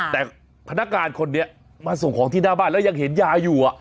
แต่พนักงานคนนี้มาส่งของที่หน้าบ้านแล้วยังเห็นยาอยู่